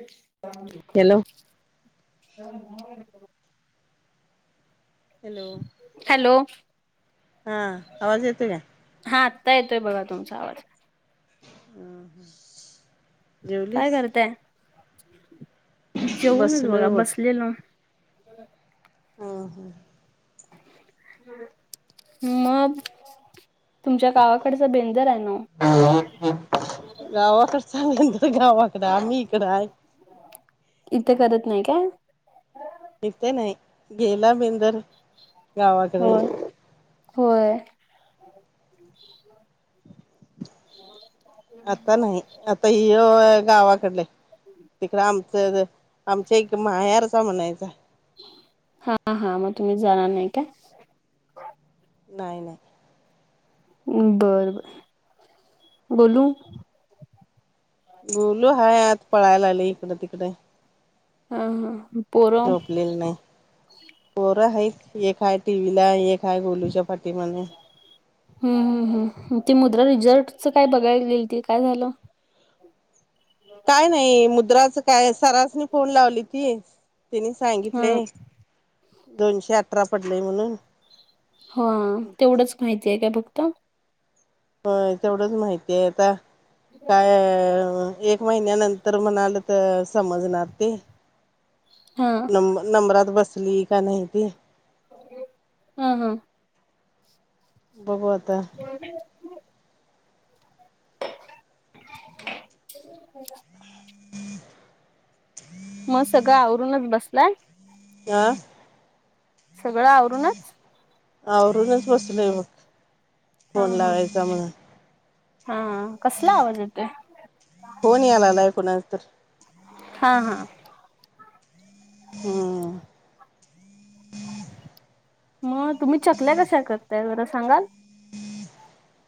ए शालू [inaudible] हॅलो [inaudible] ह [inaudible] hello! Hello! हा आवाज येतोय का? हा आता येतोय बघा तुमचा आवाज? हम हम [inaudible] काय करताय? जेऊनच बसलोय बघा बघ. बसलेलो. हा हा हा मग तुमच्या गावाकडच बेंदुर आहे नाओ. गावाकडच बेंदुर गावाकड आम्ही इकडं हाय- इथे करत नाही काय. इथे नाही गेला बेंदुर. होय होय. आता नाही आता ह्यो गावाकडले. तिकड आमचं आमच्या एक माह्यारचा म्हणायचा. हा हा, मग तुम्ही जाणार नाही का? नाही नाही. बर बर बोलू बोलु हाय आत. पळायला लागलय इकडं तिकडं हा हा पोरं झोपलेली नाही. पोर हायतकी एक आहे टीव्हीला एक हाय गोलुच्या पाटी माग. हम् हम्म हम ते मुद्रा रिझर्टच काय बघायला गेलेली ते काय झालं? काय नाही मुद्राच काय सरासनी फोन लावली ती, तिनि हा सांगितले दोनशे अठरा पडले म्हणून, हा तेवढंच माहिती आहे काय फक्त? होय तेवढंच माहितीय आता, काय एक एक महिन्यानंतर म्हणाल तर समजणार ते, हा. नंबरात बसली का नाही ते, हाहा बघू आता. हो [inaudible] [inaudible] ह सगळं आवरून चं बसलाय. आं. सगळं आवरून चं. आवरूनच बसलोय बघ. हा फोन हा लावायचा म्हणून हा. कसला आवाज येतोय. फोन यायलाय कोणाचा तर. हा हा. ह. मग तुम्ही चकल्या कशा, करताय जरा सांगाल.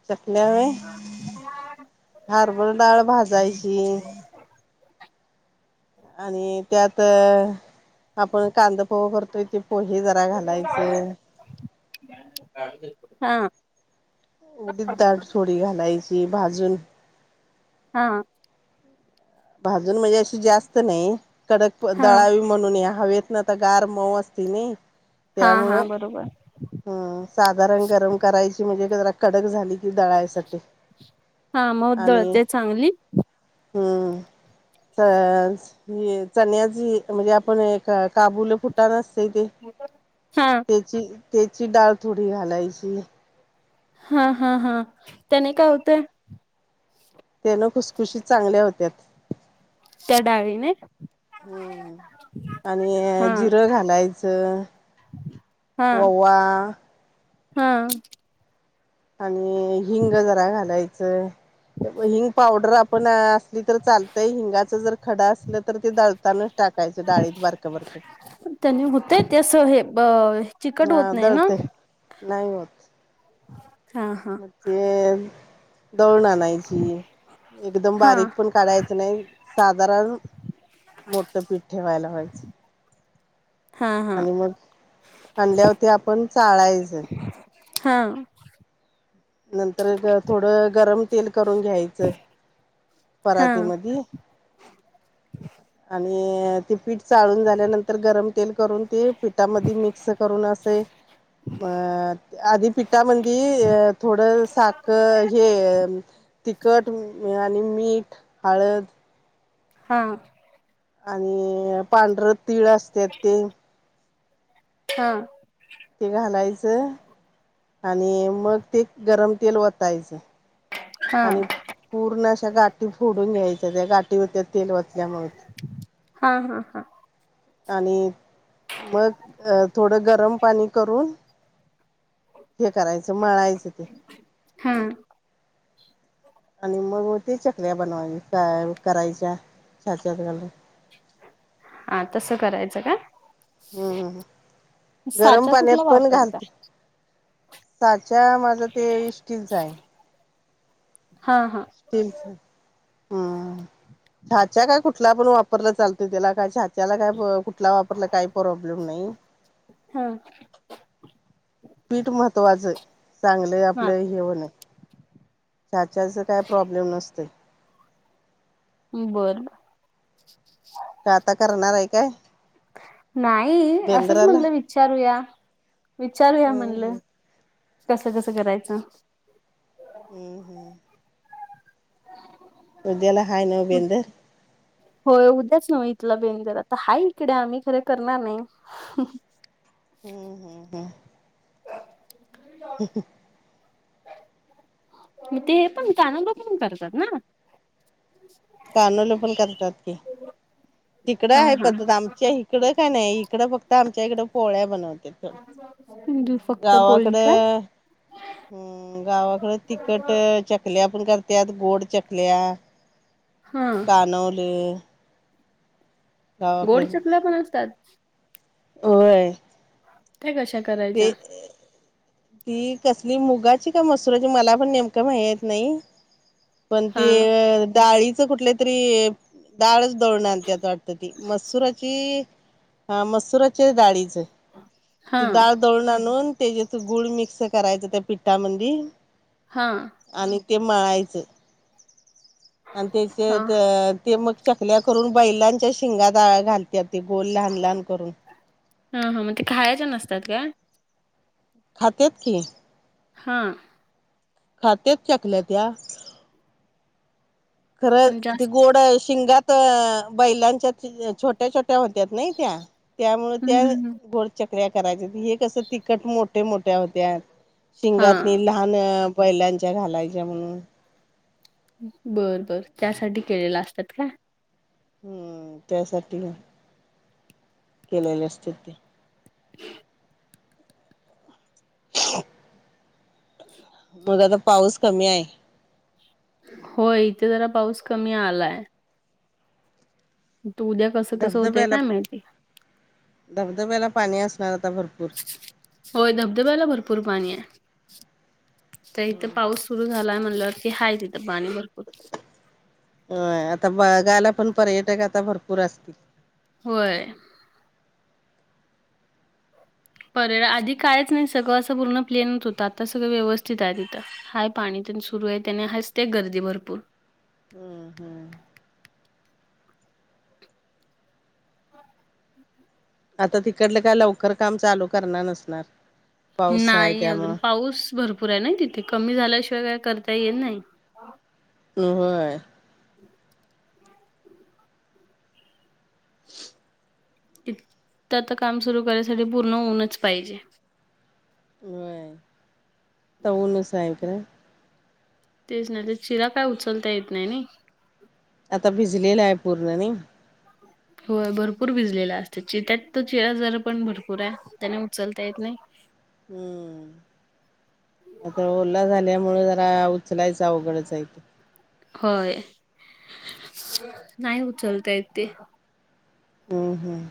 चकल्या व्हय, हरभराडाळ भाजायची. आणि त्यात, आपण कांदा पोह करतोय ते. पोहे जरा घालायचं. हां. उडीत डाळ थोडी घालायची भाजून. हा. भाजून म्हणजे, अशी जास्तं नाही कडक हा दळावी म्ह म्हणून या हवेतन आता, गार मऊ असते नी हा त्यामुळं. हा बरोबर ह साधारण गरम करायची म्हणजे, जरा कडक झाली की दळायसाठी. हा मग आणि दळते चांगली. हम्म. अ ही चण्याची म्हणजे, आपण एक काबुले फुटान असते ते. हा. तेची, तेची डाळ थोडी घालायची. हा हा हा. त्याने काय हो त्यांन खुसखुशीत चांगल्या होत्यात. त्या डाळीने. हम्म आणि हा जिरं घालायचं. हा ओवा. हा. आणि हिंग जरा घालायचं. हिंग पावडर आपण असली तर चालतंय, हिंगाच जर खड असलं तर ते दळ तानाच टाकायचं डाळीत बारक बारक. त्यांनी होत ते असं हे‌ अ... चिकट होत हा नाही ना. दळते नाही होतं. हा हा मग ते दळून आणायची, एकदम हा बारीक पण. काढायचं नाही, साधारण मोठं पीठ ठेवाय लावायच. हा हा आणि मग आणल्यावरती आपण चाळायचं. हा. नंतर थोडं गरम तेल करून घ्याय हा पराती मधी. आणि ते पीठ. चाळून झाल्यानंतर गरम तेल करून ते, पिठामध्ये मिक्स करून असे. अ आधी पिठा मंदी. थोडं साखर हे तिखट आणि मीठ हळद. हा आणि... पांढर तीळ असत ते हा ते घालायचं आणि मग ते गरम तेल वतायचं. हा आणि पूर्ण अशा गाठी फोडून घ्यायच्या त्या गाठी होत्या तेल वतल्यामुळे हा.. हा.. हा आणि मग अ.. थोडं गरम पाणी करून हे करायचं मळायचं ते [inaudible] आणि मग ते चकल्या बनवायच्या क.. करायच्या साच्यात घालून. आ.. तसं करायचं का? ह्म्म्.. हम.. गरम साचा पाण्यात कुठला पण घाल वापरता? साचा माझा ते इस्टीलचा आहे. हा.. हा.. तेच, हु.. साचा काय कुठला पण वापरला चालतोय त्याला काय साच्याला काय कुठला वापरला काय प्रॉब्लेम नाई. ह्म् पीठ महत्वाचं, चांगलं हा आपलं हे हो न साच्याचा काय प्रॉब्लेम नसतोय ‌. बरं.. का आता करणार हाय काय? नाई.. असंच बेंद्राला म्हणलं विचारूया, विचारूया हम्म म्हणलं. हम्म कसं.. कसं करायचं. हम्म.. हम्म.. उद्याला हाय नव भेंड होय, उद्याच नव इथला बेंदूर आत्ता हाय हिकडं आम्ही खरं करनार नाई. ह्.. हम्म हम्म हम् ह्.. ह्.. ते पण कानवलं‌ पण करतात ना? कानवलं पण करतात की, तिकडं हा हाय हा पद्धत आम च्या हिकडं काय नाय हिकडं आमच्याकडं फक्त पोळ्या ‌बनव हा फक्त पोळी का गावाकडं हम्.. गावाकड तिखट चकल्या पण करत्यात गोड चकल्या हा कानवले गोड चकल्या पण असतात? व्हय त्या कशा करायच्या? ती कसली मुगाची का मसुराची मला पण नेमकं महेत नाई. पण ते.. हा अ.. डाळीच कुठल्या तरी डाळ दळून आणत्यात वाटत्यात ती मसुराची अ.. मसुराच्या डाळीचं हा डाळ दळून आणून ते ज्यात गुळ मिक्स करायचा त्या पिठामंदी हा आणि ते मळायचं आणि तेते हा तर ते मग चकल्या करून बैलांच्या शिंगात अं घालत्यात, गोल लहान लहान करून ‌. हा हा, म ते खायाच्या ‌ नसत्यात काय? खात्यात की. हां. खात्यात चकल्या त्या खरं, पण ते जास्त गोडं शिंगात त अ बैलांच्या छोट्या छोट्या होत्यात नई त्या, त्यामुळे हम्म त्या हम्म हम्म. गोल चकल्या करायचं, ‌ ते हे कसं तिखट ‌ मोठमोठ्या होत्यात ‌, शिंगात्नी हा लहान अन बैलांच्या घालायच्या म्हणून बर बर, त्यासाठी केलेल्या असतात काय. हम्म, त्यासाठी केलेल्या असत्यात त्या. [inaudible] [unintelligible] बघ आता पाऊस कमी आहे होय इथे जरा पाऊस कमी आलाय. तू उद्या कसं कसं होतंय धबधब्याला काय माहिती. धबधब्याला पाणी असणार आता भरपूर. होय धबधब्याला भरपूर पाणी आहे, तर इथे पाऊस सुरू झालाय म्हणल्यावर वरती हाय तिथं पाणी भरपूर. होय, आता बघायला पण पर्यटक आता भरपूर असतील. होय. पर्य आधी कायच नाही सगळं असं पूर्ण प्लेनच होतं, आता सगळं व्यवस्थित आहे तिथं. हाय पाणी त्यन सुरू आहे त्याने हासते गर्दी भरपूर. हम्म हम्म. आता तिकडलं काय लवकर काम चालू करणार नसणार. पाऊस आहे नाही अजून, त्यामुळं पाऊस भरपूर आहे ना तिथे, कमी झाल्याशिवाय काय करता येईल नाही. होय. [unintelligible] [unintelligible] इथं आता काम सुरू करण्यासाठी पूर्ण ऊनच पाहिजे. होय, त ऊनच हाय खरं. तेच ना, ते चिरा काय उचलता येत नाही नाई. आता भिजलेला आहे पूर्ण नाही. होय भरपूर भिजलेला असतय, चीरत्यात त चिरा जरा पण भरपूर आहे. त्यन उचलता येत नाही. हम्म, आता ओला झाल्यामुळे जरा उचलायच अवघडच हाय की. होय, नाही उचलता येत ते. हम्म हम्म.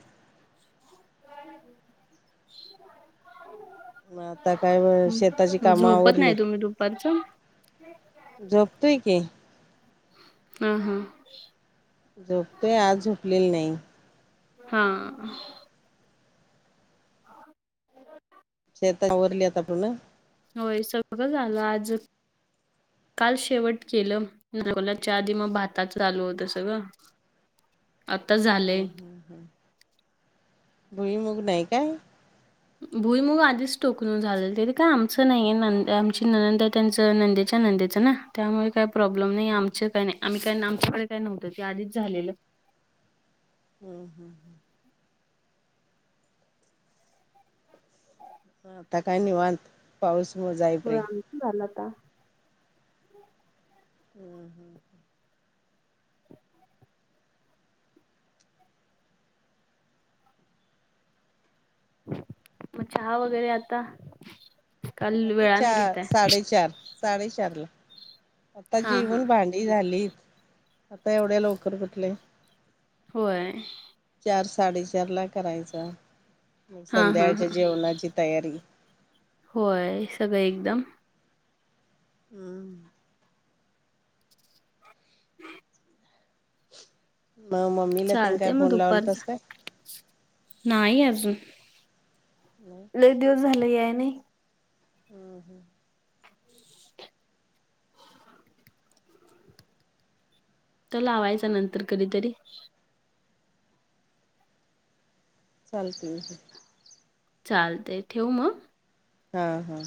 [unintelligible] मग आता काय होव शेताची हं, काम झोपत नाही आवरली. तुम्ही दुपारचं झोपतोय की. हां हां. झोपतोय, आज झोपलेली नाही. हा. [unintelligible] शेत आवरली आता पुर्ण. होय सगळं झालं आज. काल शेवट केलं. नकलाच्या आधी मग भाताच चालू होतं सगळं. [inaudible] आता हम्म झालंय हम्म हम्म. भुईमूग नाही काय? भुईमूग आधीच टोकुन झालेलं. ते काय आमचं नाहीय न आमची नणंद हायत त्यांच नंदेच्या नंदेचं ना त्यामुळे काय प्रॉब्लेम नाही आमचे काही नाही. आम्ही काय आमच्याकडे काय नव्हतं ते आधीच झालेलं. हम्म हम्म. मग आता काय निवांत, पाऊस मग जाई पर्यंत. झाला का? हम्म हम्म. मग चहा वगैरे आता काल आता वेळाने चार घेताय साडेचार साडेचारला आता हा हा जेवून भांड झालीत. आता एवढ्या लवकर कुटले. होय. चार साडेचारला करायचा. मग हा हा संध्याळच्या हा जेवणाची तयारी. होय सगळं एकदम? हम्म. [inaudible] मग मम्मीला तेनं काय चालते मग फोन दुपारच लावलातास काय? नाही अजून. नाही. लय दिवस झाले याय नाही. हम्म हम्म. त लावायचा नंतर कधीतरी. चालतंय की. चालतंय ठेऊ मग? हा हा.